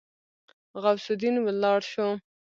غوث الدين ولاړ شو.